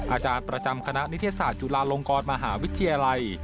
อาจารย์ประจำคณะนิเทศาสตุลาลงกรมหาวิทยาลัย